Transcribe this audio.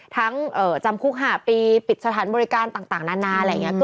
จำคุก๕ปีปิดสถานบริการต่างนานาอะไรอย่างนี้